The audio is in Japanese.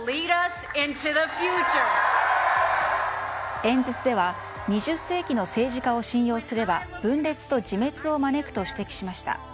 演説では２０世紀の政治家を信用すれば分裂と自滅を招くと指摘しました。